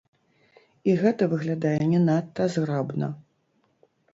І гэта выглядае не надта зграбна.